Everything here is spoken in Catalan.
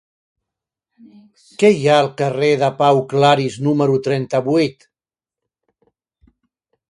Què hi ha al carrer de Pau Claris número trenta-vuit?